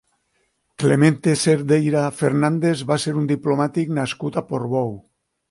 Clemente Cerdeira Fernández va ser un diplomàtic nascut a Portbou.